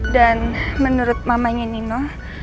dan menurut mamanya nino